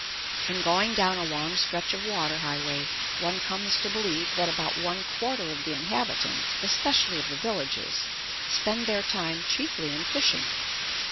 In going down a long stretch of water highway, one comes to believe that about one quarter of the inhabitants, especially of the villages, spend their time chiefly in fishing.